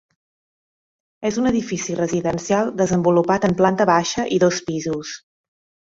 És un edifici residencial desenvolupat en planta baixa i dos pisos.